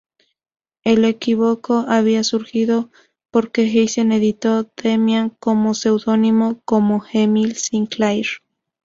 El equívoco había surgido porque Hesse editó Demian con seudónimo, como Emil Sinclair.